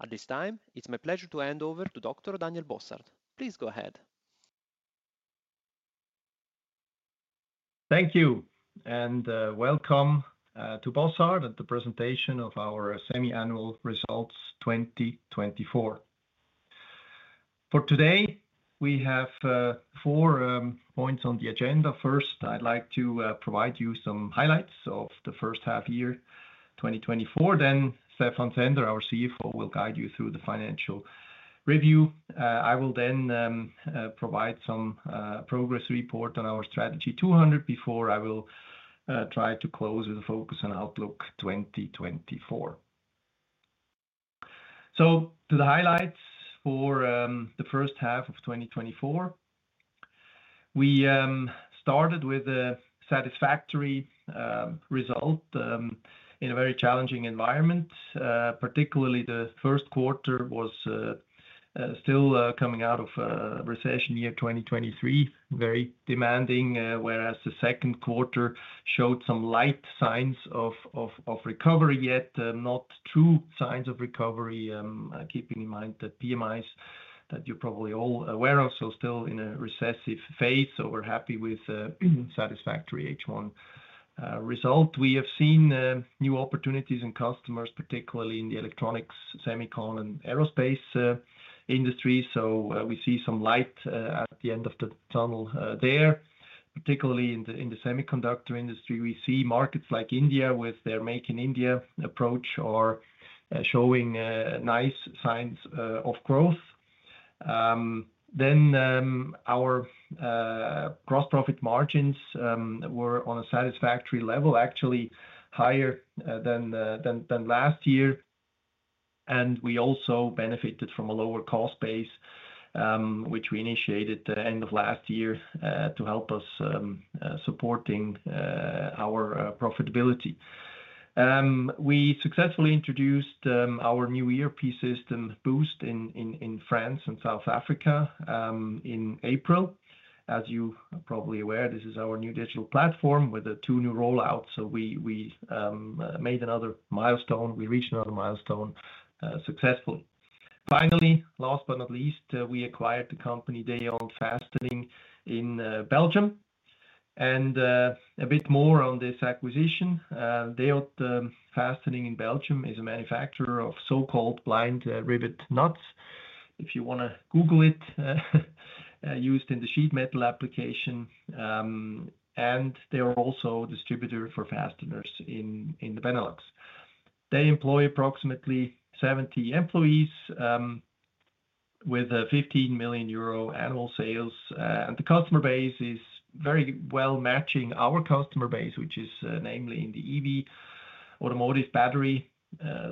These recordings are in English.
At this time, it's my pleasure to hand over to Dr. Daniel Bossard. Please go ahead. Thank you, and welcome to Bossard at the presentation of our semi-annual results 2024. For today, we have four points on the agenda. First, I'd like to provide you some highlights of the first half year, 2024. Then Stephan Zehnder, our CFO, will guide you through the financial review. I will then provide some progress report on our Strategy 200, before I will try to close with a focus on outlook 2024. So to the highlights for the first half of 2024. We started with a satisfactory result in a very challenging environment. Particularly the first quarter was still coming out of a recession year 2023, very demanding, whereas the second quarter showed some light signs of recovery, yet not true signs of recovery. Keeping in mind that PMIs, that you're probably all aware of, so still in a recessive phase, so we're happy with satisfactory H1 result. We have seen new opportunities and customers, particularly in the electronics, semiconductor, and aerospace industry, so we see some light at the end of the tunnel there. Particularly in the semiconductor industry, we see markets like India, with their Make in India approach, are showing nice signs of growth. Then our gross profit margins were on a satisfactory level, actually higher than last year. We also benefited from a lower cost base, which we initiated at the end of last year, to help us supporting our profitability. We successfully introduced our new ERP system, Boost, in France and South Africa in April. As you are probably aware, this is our new digital platform with the two new rollouts. So we reached another milestone successfully. Finally, last but not least, we acquired the company Dejond Fastening in Belgium. A bit more on this acquisition, Dejond Fastening in Belgium is a manufacturer of so-called blind rivet nuts, if you wanna Google it, used in the sheet metal application, and they are also a distributor for fasteners in the Benelux. They employ approximately 70 employees, with 15 million euro annual sales. The customer base is very well matching our customer base, which is, namely in the EV, automotive battery,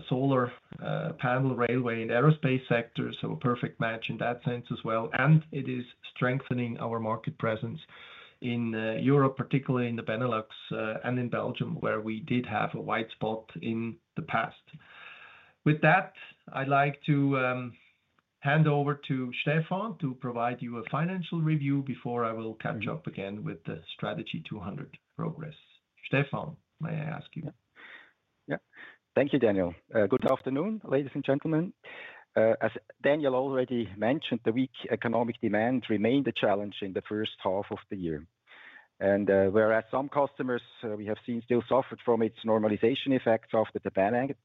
solar, panel, railway, and aerospace sector. A perfect match in that sense as well, and it is strengthening our market presence in, Europe, particularly in the Benelux, and in Belgium, where we did have a white spot in the past. With that, I'd like to hand over to Stephan to provide you a financial review before I will catch up again with the Strategy 200 progress. Stephan, may I ask you? Yeah. Thank you, Daniel. Good afternoon, ladies and gentlemen. As Daniel already mentioned, the weak economic demand remained a challenge in the first half of the year. Whereas some customers we have seen still suffered from its normalization effects after the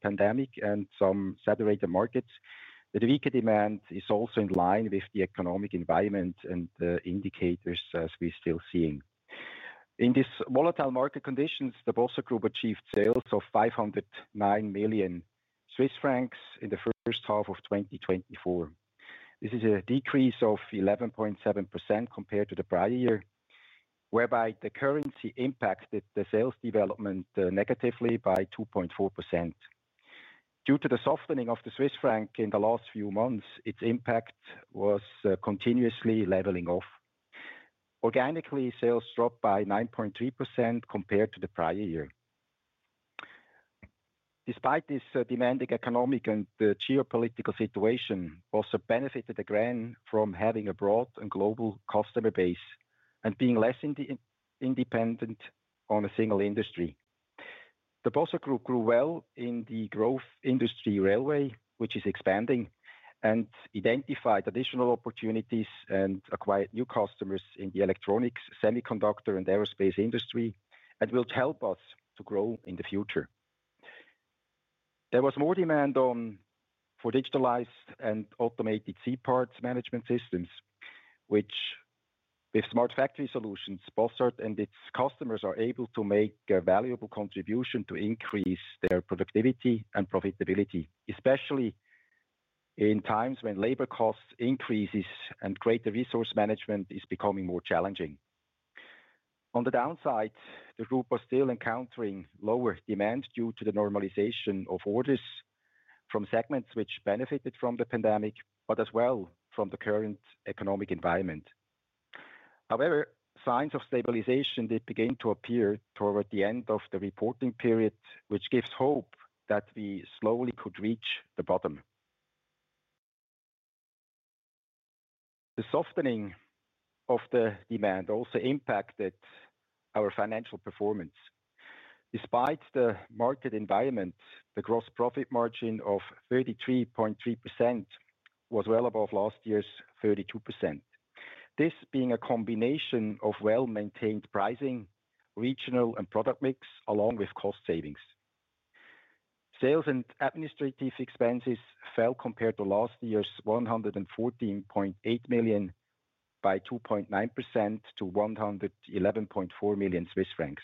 pandemic, and some saturated markets, the weaker demand is also in line with the economic environment and the indicators as we're still seeing. In this volatile market conditions, the Bossard Group achieved sales of 509 million Swiss francs in the first half of 2024. This is a decrease of 11.7% compared to the prior year, whereby the currency impacted the sales development negatively by 2.4%. Due to the softening of the Swiss franc in the last few months, its impact was continuously leveling off. Organically, sales dropped by 9.3% compared to the prior year. Despite this demanding economic and the geopolitical situation, Bossard benefited again from having a broad and global customer base, and being less independent on a single industry. The Bossard Group grew well in the growth industry railway, which is expanding, and identified additional opportunities, and acquired new customers in the electronics, semiconductor, and aerospace industry, and will help us to grow in the future. There was more demand for digitalized and automated C-parts management systems, which with Smart Factory Solutions, Bossard and its customers are able to make a valuable contribution to increase their productivity and profitability, especially in times when labor costs increases and greater resource management is becoming more challenging. On the downside, the group was still encountering lower demand due to the normalization of orders from segments which benefited from the pandemic, but as well from the current economic environment. However, signs of stabilization did begin to appear toward the end of the reporting period, which gives hope that we slowly could reach the bottom. The softening of the demand also impacted our financial performance. Despite the market environment, the gross profit margin of 33.3% was well above last year's 32%. This being a combination of well-maintained pricing, regional, and product mix, along with cost savings. Sales and administrative expenses fell compared to last year's 114.8 million by 2.9% to 111.4 million Swiss francs.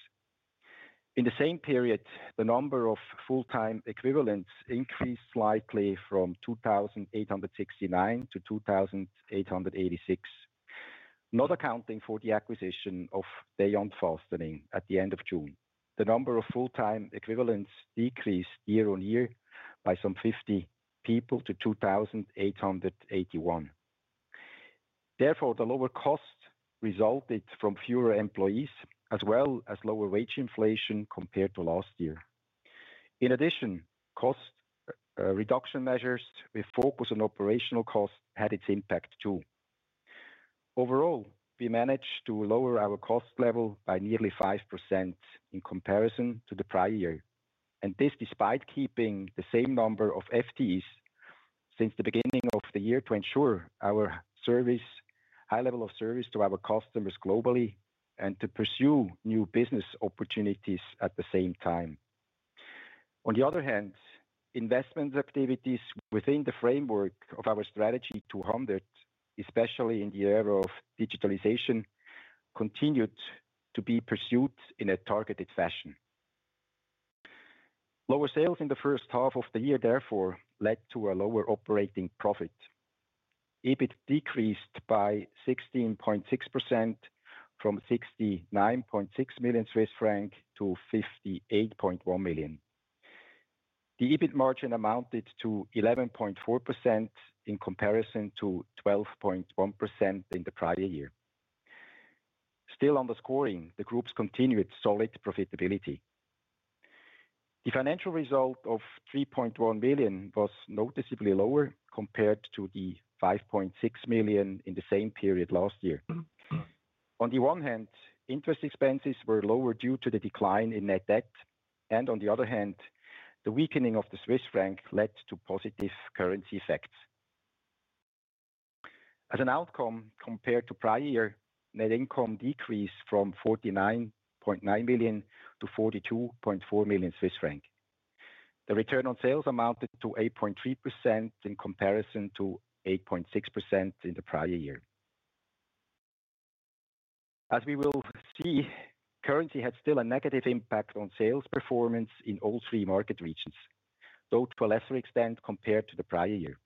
In the same period, the number of full-time equivalents increased slightly from 2,869 to 2,886. Not accounting for the acquisition of Dejond Fastening at the end of June. The number of full-time equivalents decreased year-on-year by some 50 people to 2,881. Therefore, the lower cost resulted from fewer employees, as well as lower wage inflation compared to last year. In addition, cost reduction measures with focus on operational costs had its impact, too. Overall, we managed to lower our cost level by nearly 5% in comparison to the prior year, and this despite keeping the same number of FTEs since the beginning of the year to ensure our service, high level of service to our customers globally, and to pursue new business opportunities at the same time. On the other hand, investment activities within the framework of our Strategy 200, especially in the era of digitalization, continued to be pursued in a targeted fashion. Lower sales in the first half of the year, therefore, led to a lower operating profit. EBIT decreased by 16.6% from 69.6 million Swiss francs to 58.1 million. The EBIT margin amounted to 11.4% in comparison to 12.1% in the prior year. Still, underscoring the group's continued solid profitability. The financial result of 3.1 billion was noticeably lower compared to the 5.6 million in the same period last year. On the one hand, interest expenses were lower due to the decline in net debt, and on the other hand, the weakening of the Swiss franc led to positive currency effects. As an outcome, compared to prior year, net income decreased from 49.9 million to 42.4 million Swiss francs. The return on sales amounted to 8.3% in comparison to 8.6% in the prior year. As we will see, currency had still a negative impact on sales performance in all three market regions, though to a lesser extent compared to the prior year.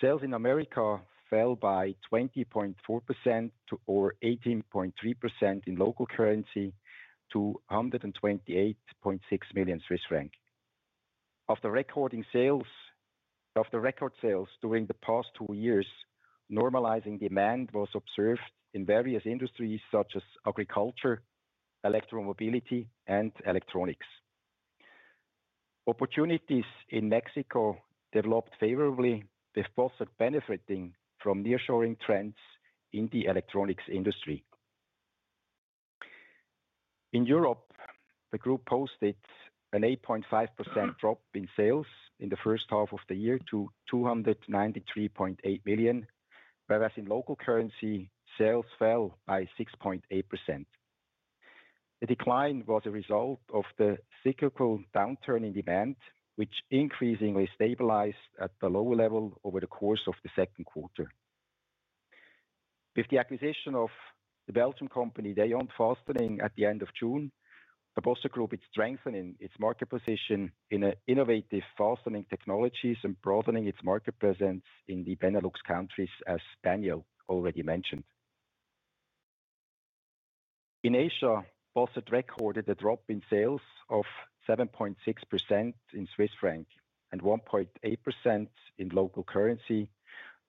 Sales in America fell by 20.4% or 18.3% in local currency, to 128.6 million Swiss franc. Of the record sales during the past two years, normalizing demand was observed in various industries such as agriculture, electromobility, and electronics. Opportunities in Mexico developed favorably, with Bossard benefiting from nearshoring trends in the electronics industry. In Europe, the group posted an 8.5% drop in sales in the first half of the year to 293.8 million, whereas in local currency, sales fell by 6.8%. The decline was a result of the cyclical downturn in demand, which increasingly stabilized at the lower level over the course of the second quarter. With the acquisition of the Belgian company, Dejond Fastening, at the end of June, the Bossard Group is strengthening its market position in innovative fastening technologies and broadening its market presence in the Benelux countries, as Daniel already mentioned. In Asia, Bossard recorded a drop in sales of 7.6% in Swiss franc, and 1.8% in local currency,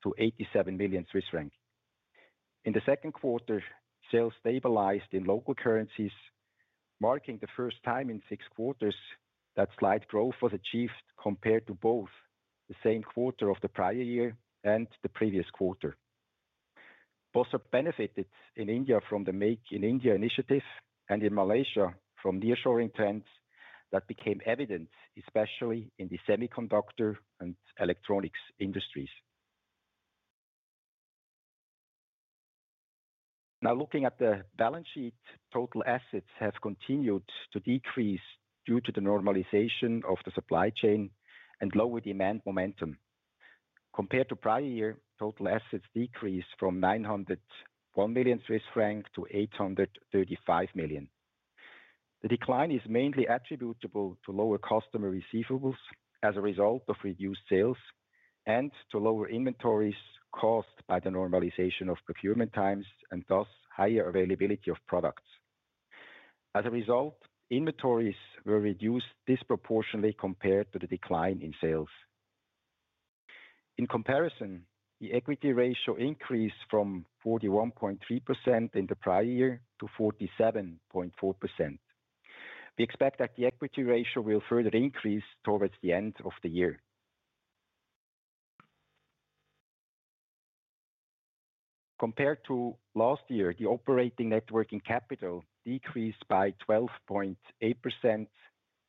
to 87 million Swiss francs. In the second quarter, sales stabilized in local currencies, marking the first time in 6 quarters that slight growth was achieved compared to both the same quarter of the prior year and the previous quarter. Bossard benefited in India from the Make in India initiative, and in Malaysia from nearshoring trends that became evident, especially in the semiconductor and electronics industries. Now, looking at the balance sheet, total assets have continued to decrease due to the normalization of the supply chain and lower demand momentum. Compared to prior year, total assets decreased from 901 million Swiss francs to 835 million. The decline is mainly attributable to lower customer receivables as a result of reduced sales, and to lower inventories caused by the normalization of procurement times, and thus, higher availability of products. As a result, inventories were reduced disproportionately compared to the decline in sales. In comparison, the equity ratio increased from 41.3% in the prior year to 47.4%. We expect that the equity ratio will further increase towards the end of the year. Compared to last year, the operating net working capital decreased by 12.8%,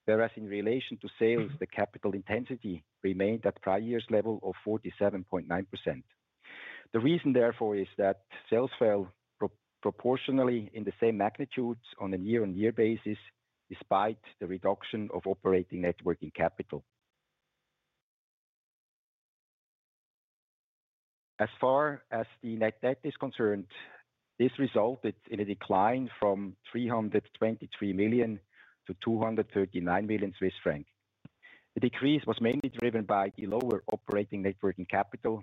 whereas in relation to sales, the capital intensity remained at prior year's level of 47.9%. The reason, therefore, is that sales fell proportionally in the same magnitudes on a year-on-year basis, despite the reduction of operating net working capital. As far as the net debt is concerned, this resulted in a decline from 323 million to 239 million Swiss francs. The decrease was mainly driven by the lower operating net working capital,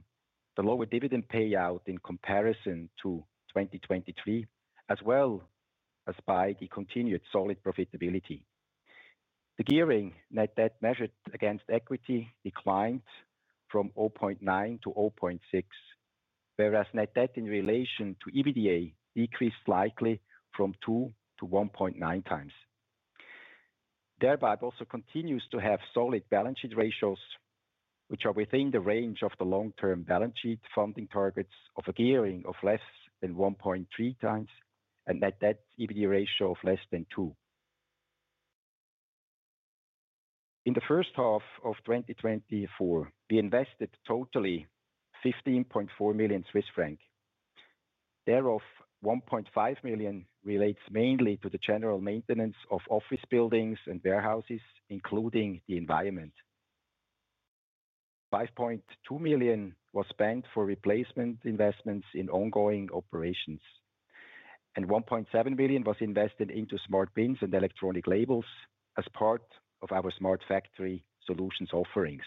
the lower dividend payout in comparison to 2023, as well as by the continued solid profitability. The gearing net debt measured against equity declined from 0.9 to 0.6, whereas net debt in relation to EBITDA increased slightly from 2 to 1.9 times. Thereby, it also continues to have solid balance sheet ratios, which are within the range of the long-term balance sheet funding targets of a gearing of less than 1.3 times, and net debt EBITDA ratio of less than 2. In the first half of 2024, we invested totally 15.4 million Swiss franc. Thereof, 1.5 million relates mainly to the general maintenance of office buildings and warehouses, including the environment. 5.2 million was spent for replacement investments in ongoing operations, and 1.7 million was invested into SmartBins and electronic labels as part of our Smart Factory Solutions offerings.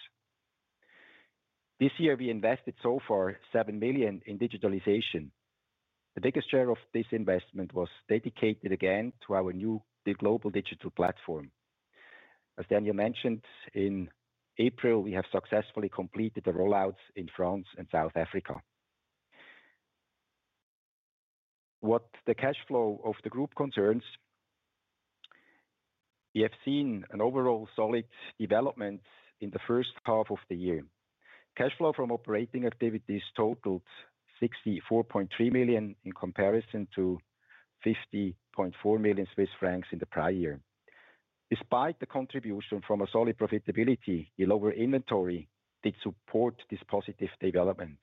This year, we invested so far 7 million in digitalization. The biggest share of this investment was dedicated again to our new global digital platform. As Daniel mentioned, in April, we have successfully completed the rollouts in France and South Africa. What concerns the cash flow of the group, we have seen an overall solid development in the first half of the year. Cash flow from operating activities totaled 64.3 million, in comparison to 50.4 million Swiss francs in the prior year. Despite the contribution from a solid profitability, the lower inventory did support this positive development.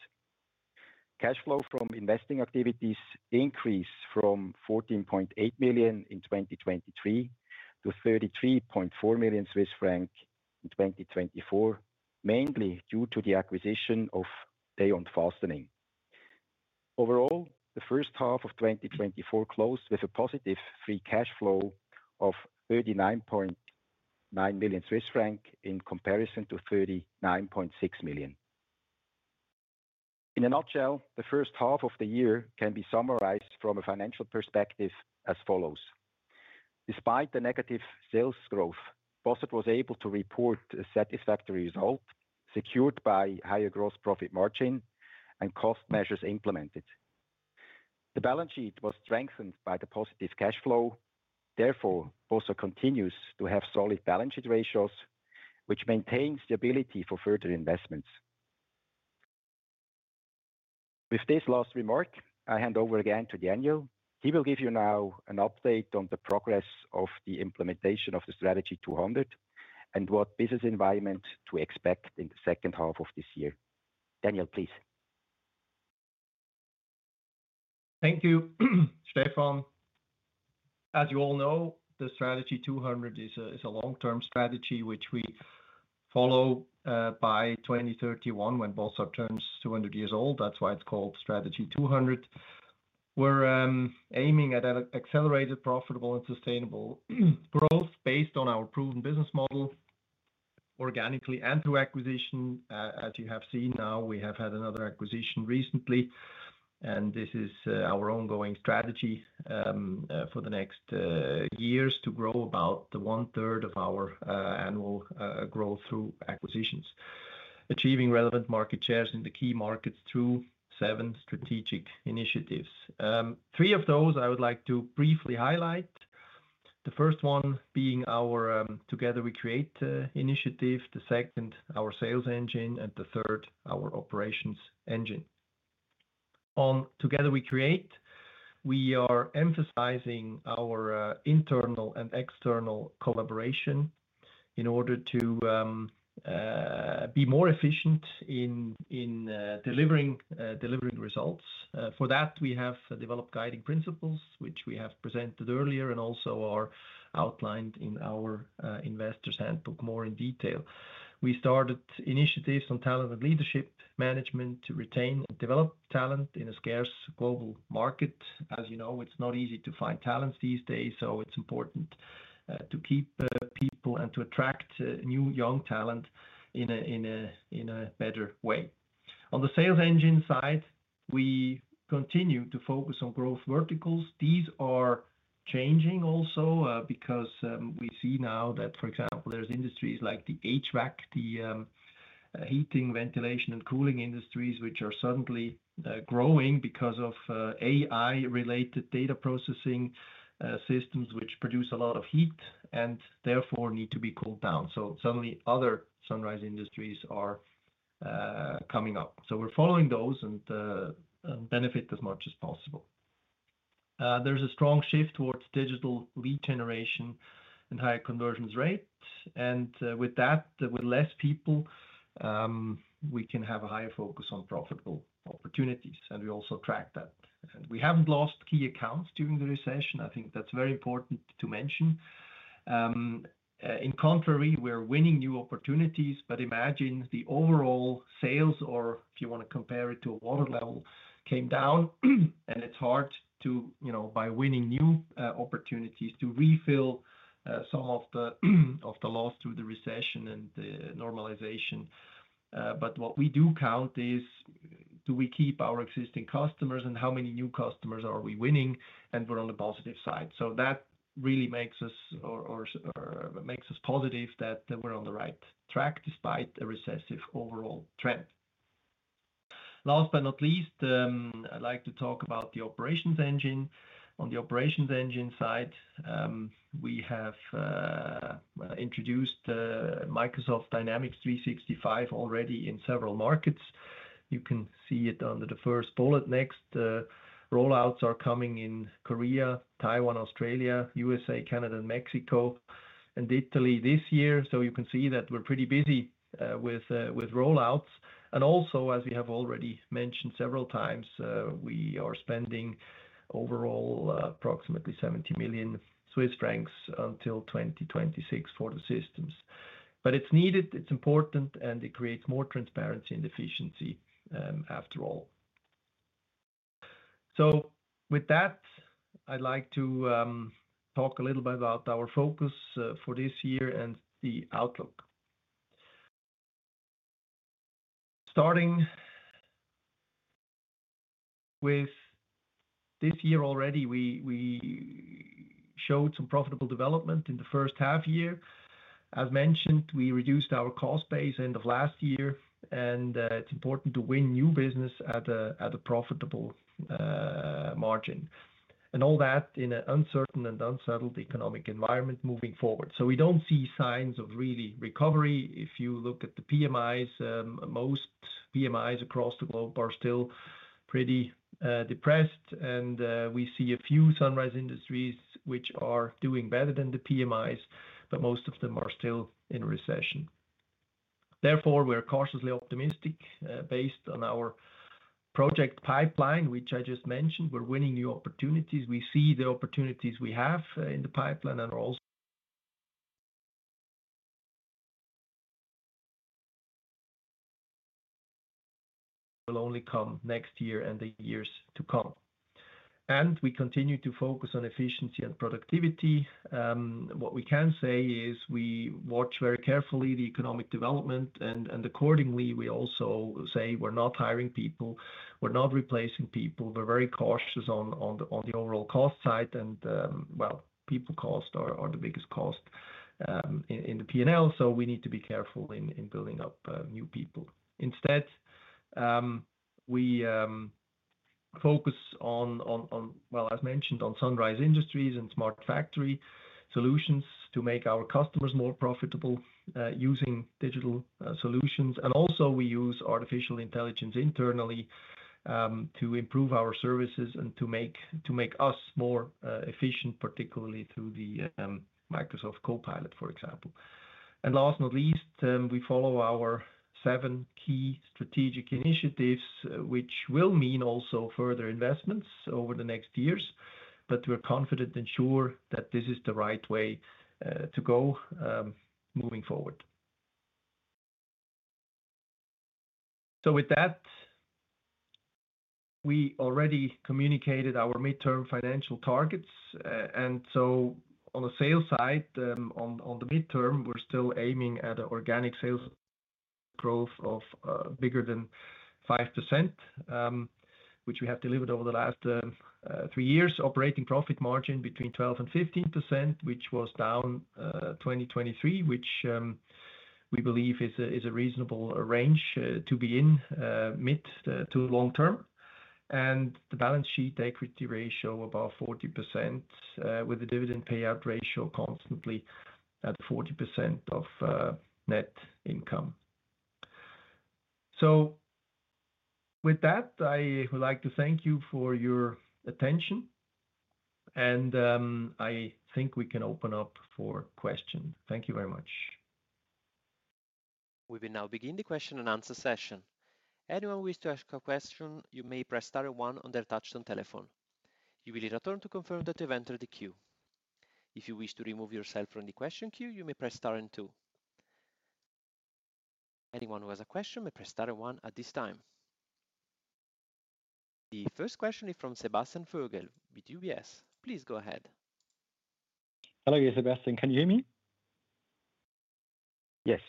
Cash flow from investing activities increased from 14.8 million in 2023 to 33.4 million Swiss franc in 2024, mainly due to the acquisition of Dejond Fastening. Overall, the first half of 2024 closed with a positive free cash flow of 39.9 million Swiss franc, in comparison to 39.6 million. In a nutshell, the first half of the year can be summarized from a financial perspective as follows: Despite the negative sales growth, Bossard was able to report a satisfactory result, secured by higher gross profit margin and cost measures implemented. The balance sheet was strengthened by the positive cash flow. Therefore, Bossard continues to have solid balance sheet ratios, which maintains the ability for further investments. With this last remark, I hand over again to Daniel. He will give you now an update on the progress of the implementation of the Strategy 200, and what business environment to expect in the second half of this year. Daniel, please. Thank you, Stephan. As you all know, the Strategy 200 is a long-term strategy, which we follow by 2031, when Bossard turns 200 years old. That's why it's called Strategy 200. We're aiming at an accelerated, profitable, and sustainable growth based on our proven business model, organically and through acquisition. As you have seen now, we have had another acquisition recently, and this is our ongoing strategy for the next years to grow about one-third of our annual growth through acquisitions. Achieving relevant market shares in the key markets through seven strategic initiatives. Three of those I would like to briefly highlight. The first one being our Together We Create initiative, the second, our Sales Engine, and the third, our Operations Engine. On Together We Create, we are emphasizing our internal and external collaboration in order to be more efficient in delivering results. For that, we have developed guiding principles, which we have presented earlier, and also are outlined in our investors handbook more in detail. We started initiatives on talent and leadership management to retain and develop talent in a scarce global market. As you know, it's not easy to find talents these days, so it's important to keep people and to attract new young talent in a better way. On the Sales Engine side, we continue to focus on growth verticals. These are changing also, because we see now that, for example, there's industries like the HVAC, heating, ventilation, and cooling industries, which are suddenly growing because of AI-related data processing systems, which produce a lot of heat, and therefore, need to be cooled down. So suddenly, other sunrise industries are coming up. So we're following those and benefit as much as possible. There's a strong shift towards digital lead generation and higher conversion rate, and with that, with less people, we can have a higher focus on profitable opportunities, and we also track that. We haven't lost key accounts during the recession. I think that's very important to mention. In contrary, we're winning new opportunities, but imagine the overall sales, or if you wanna compare it to a order level, came down, and it's hard to, you know, by winning new opportunities to refill some of the loss through the recession and the normalization. But what we do count is, do we keep our existing customers, and how many new customers are we winning? And we're on the positive side. So that really makes us positive that we're on the right track despite a recessive overall trend. Last but not least, I'd like to talk about the Operations Engine. On the Operations Engine side, we have well introduced Microsoft Dynamics 365 already in several markets. You can see it under the first bullet. Next, rollouts are coming in Korea, Taiwan, Australia, USA, Canada, and Mexico, and Italy this year. So you can see that we're pretty busy with rollouts. Also, as we have already mentioned several times, we are spending overall approximately 70 million Swiss francs until 2026 for the systems. But it's needed, it's important, and it creates more transparency and efficiency after all. So with that, I'd like to talk a little bit about our focus for this year and the outlook. Starting with this year already, we showed some profitable development in the first half year. As mentioned, we reduced our cost base end of last year, and it's important to win new business at a profitable margin, and all that in an uncertain and unsettled economic environment moving forward. So we don't see signs of real recovery. If you look at the PMIs, most PMIs across the globe are still pretty depressed, and we see a few sunrise industries which are doing better than the PMIs, but most of them are still in recession. Therefore, we're cautiously optimistic, based on our project pipeline, which I just mentioned. We're winning new opportunities. We see the opportunities we have in the pipeline and will only come next year and the years to come. And we continue to focus on efficiency and productivity. What we can say is we watch very carefully the economic development, and accordingly, we also say we're not hiring people, we're not replacing people. We're very cautious on the overall cost side and, well, people cost are the biggest cost in the P&L, so we need to be careful in building up new people. Instead, we focus on, well, as mentioned, on sunrise industries and Smart Factory Solutions to make our customers more profitable, using digital solutions. And also we use artificial intelligence internally to improve our services and to make us more efficient, particularly through the Microsoft Copilot, for example. And last but not least, we follow our seven key strategic initiatives, which will mean also further investments over the next years, but we're confident and sure that this is the right way to go moving forward. So with that, we already communicated our midterm financial targets. And so on the sales side, on, on the midterm, we're still aiming at organic sales growth of, bigger than 5%, which we have delivered over the last, three years. Operating profit margin between 12% and 15%, which was down, 2023, which, we believe is a, is a reasonable range, to be in, mid to long term. And the balance sheet equity ratio above 40%, with the dividend payout ratio constantly at 40% of, net income. So with that, I would like to thank you for your attention, and, I think we can open up for question. Thank you very much. We will now begin the question and answer session. Anyone who wishes to ask a question, you may press star one on their touchtone telephone. You will hear a tone to confirm that you've entered the queue. If you wish to remove yourself from the question queue, you may press star and two. Anyone who has a question may press star and one at this time. The first question is from Sebastian Vogel with UBS. Please go ahead. Hello there, Sebastian. Can you hear me? Yes.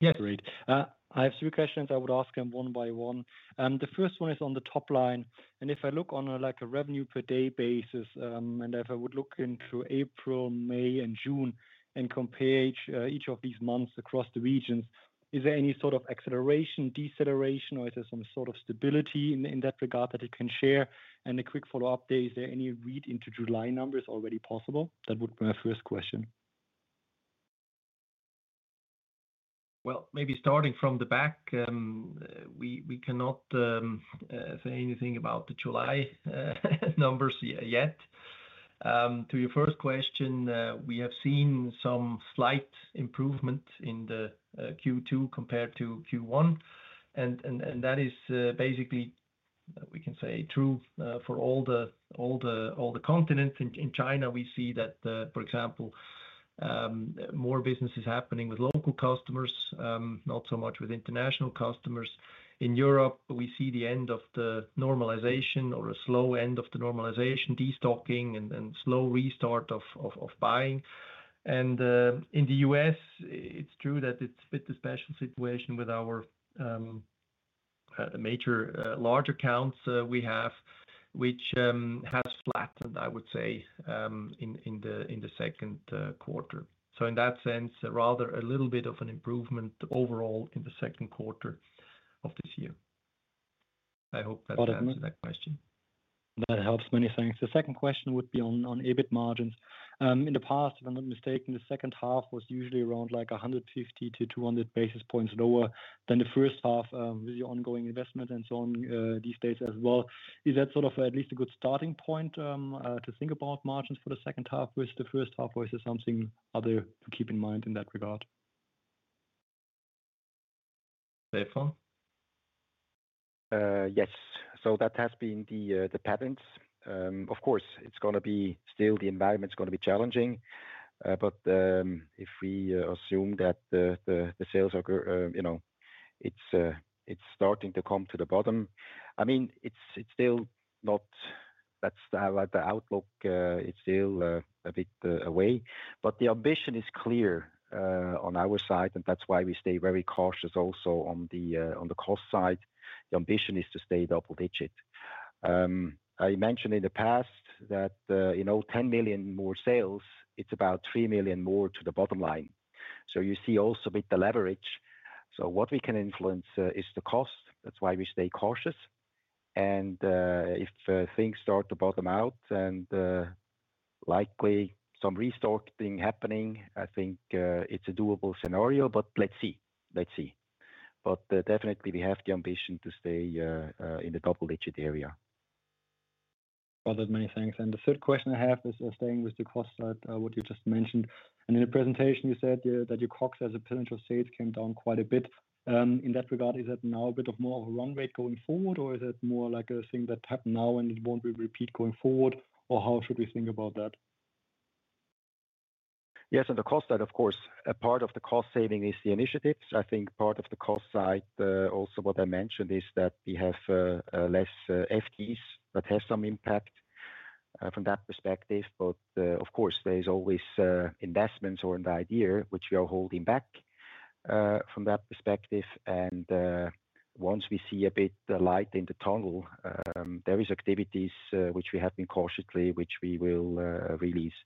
Yeah, great. I have three questions I would ask, and one by one. The first one is on the top line, and if I look on a, like, a revenue per day basis, and if I would look into April, May, and June and compare each of these months across the regions, is there any sort of acceleration, deceleration, or is there some sort of stability in that regard that you can share? And a quick follow-up there, is there any read into July numbers already possible? That would be my first question. Well, maybe starting from the back, we cannot say anything about the July numbers yet. To your first question, we have seen some slight improvement in the Q2 compared to Q1, and that is basically we can say true for all the continents. In China, we see that, for example, more business is happening with local customers, not so much with international customers. In Europe, we see the end of the normalization or a slow end of the normalization, destocking and slow restart of buying. And in the US, it's true that it's a bit special situation with our major large accounts we have which has flattened, I would say, in the second quarter. So in that sense, rather a little bit of an improvement overall in the second quarter of this year. I hope that answers that question. That helps many things. The second question would be on, on EBIT margins. In the past, if I'm not mistaken, the second half was usually around like 150-200 basis points lower than the first half, with your ongoing investment and so on, these days as well. Is that sort of at least a good starting point to think about margins for the second half versus the first half? Or is there something other to keep in mind in that regard? Stefan? Yes. So that has been the patterns. Of course, it's gonna be still the environment's gonna be challenging. But if we assume that the sales are, you know, it's starting to come to the bottom. I mean, it's still not... That's the outlook, it's still a bit away, but the ambition is clear on our side, and that's why we stay very cautious also on the cost side. The ambition is to stay double-digit. I mentioned in the past that, you know, 10 million more sales, it's about 3 million more to the bottom line. So you see also with the leverage. So what we can influence is the cost. That's why we stay cautious. If things start to bottom out and likely some restocking happening, I think it's a doable scenario, but let's see. Let's see. But definitely, we have the ambition to stay in the double-digit area. Got it. Many thanks. The third question I have is staying with the cost side, what you just mentioned. In the presentation, you said that your COGS as a percentage of sales came down quite a bit. In that regard, is that now a bit of more of a run rate going forward, or is it more like a thing that happened now and it won't be repeat going forward? Or how should we think about that? Yes, on the cost side, of course, a part of the cost saving is the initiatives. I think part of the cost side, also what I mentioned, is that we have less FTEs. That has some impact from that perspective. But, of course, there's always investments or an idea which we are holding back from that perspective. And, once we see a bit light in the tunnel, there is activities which we have been cautiously, which we will release.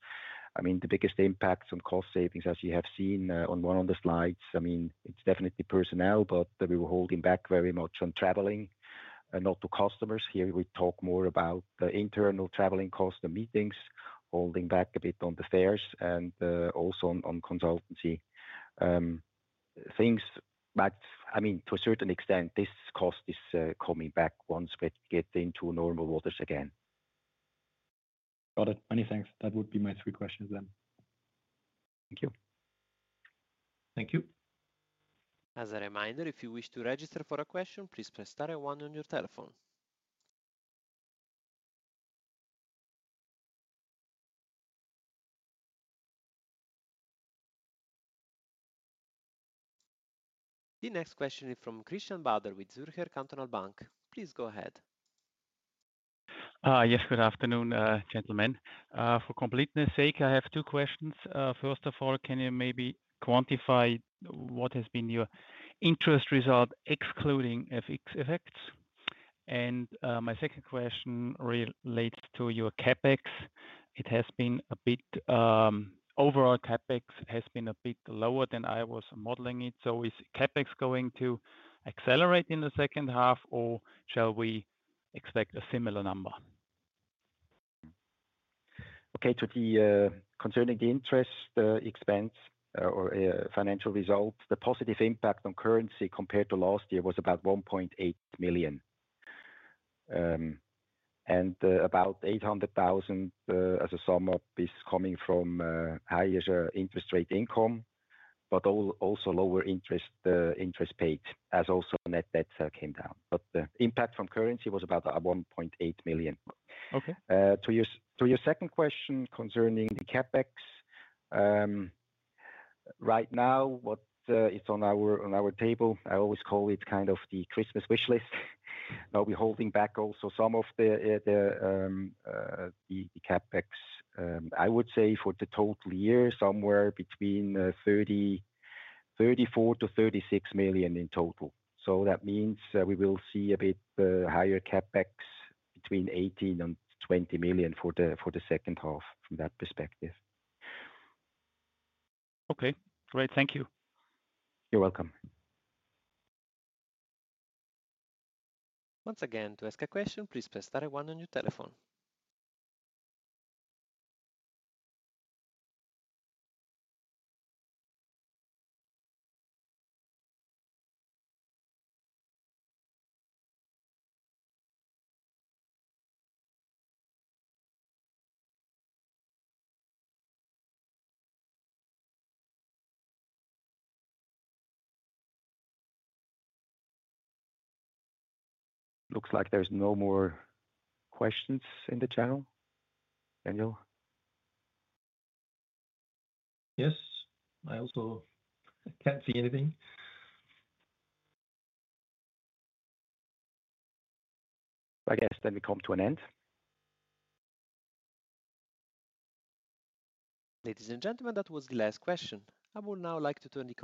I mean, the biggest impact on cost savings, as you have seen, on one of the slides, I mean, it's definitely personnel, but we were holding back very much on traveling. Not to customers here, we talk more about the internal traveling cost, the meetings, holding back a bit on the fares and also on consultancy things but, I mean, to a certain extent, this cost is coming back once we get into normal waters again. Got it. Many thanks. That would be my three questions then. Thank you. Thank you. As a reminder, if you wish to register for a question, please press star and one on your telephone. The next question is from Christian Bader with Zürcher Kantonalbank. Please go ahead. Yes, good afternoon, gentlemen. For completeness sake, I have two questions. First of all, can you maybe quantify what has been your interest result, excluding FX effects? And my second question relates to your CapEx. It has been a bit overall, CapEx has been a bit lower than I was modeling it. So is CapEx going to accelerate in the second half, or shall we expect a similar number? Okay. To the concerning the interest expense or financial results, the positive impact on currency compared to last year was about 1.8 million. And about 800,000 as a sum up is coming from higher interest rate income, but also lower interest interest paid, as also net debt came down. But the impact from currency was about 1.8 million. Okay. To your second question concerning the CapEx, right now, what is on our table, I always call it kind of the Christmas wish list. Now, we're holding back also some of the CapEx. I would say for the total year, somewhere between 34-36 million in total. So that means, we will see a bit higher CapEx between 18-20 million for the second half from that perspective. Okay, great. Thank you. You're welcome. Once again, to ask a question, please press star and one on your telephone. Looks like there's no more questions in the channel. Daniel? Yes, I also can't see anything. I guess then we come to an end. Ladies and gentlemen, that was the last question. I would now like to turn the call.